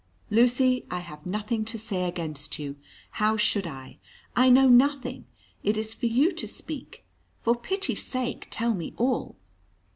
"Lucy, I have nothing to say against you. How should I? I know nothing. It is for you to speak. For pity's sake tell me all.